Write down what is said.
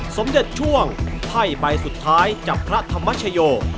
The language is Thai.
สมเด็จช่วงไพ่ใบสุดท้ายจากพระธรรมชโย